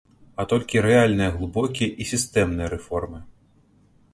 А толькі рэальныя, глыбокія і сістэмныя рэформы.